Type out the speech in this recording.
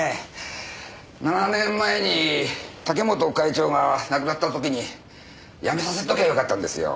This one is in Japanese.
７年前に武本会長が亡くなった時に辞めさせときゃよかったんですよ。